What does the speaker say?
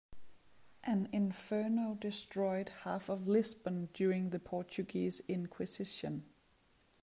An inferno destroyed half of Lisbon during the Portuguese inquisition.